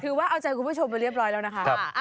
ว่าเอาใจคุณผู้ชมไปเรียบร้อยแล้วนะคะ